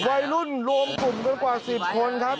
วัยรุ่นรวมกลุ่มกันกว่า๑๐คนครับ